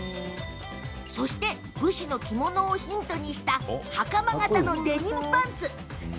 そして、武士の着物をヒントにした袴型のデニムパンツ。